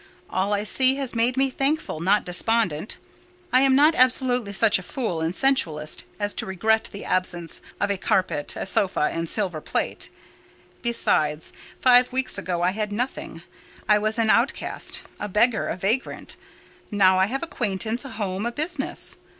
All I see has made me thankful, not despondent. I am not absolutely such a fool and sensualist as to regret the absence of a carpet, a sofa, and silver plate; besides, five weeks ago I had nothing—I was an outcast, a beggar, a vagrant; now I have acquaintance, a home, a business.